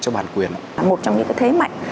cho bản quyền một trong những thế mạnh